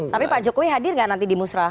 tapi pak jokowi hadir gak nanti di musrah